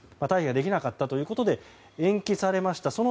退避ができなかったということで延期されました。